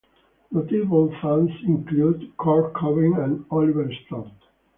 Notable fans included Kurt Cobain and Oliver Stone.